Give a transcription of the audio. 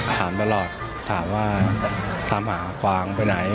ถามตลอดถามว่าถามหากวางไปไหน